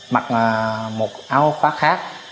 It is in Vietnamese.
mặc một áo khoác khác